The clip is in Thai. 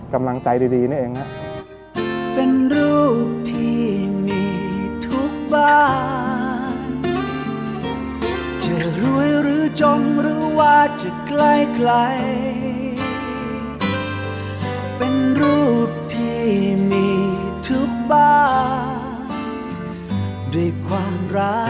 กำลังใจดีนี่เอง